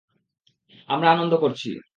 আমরা আনন্দ করছি।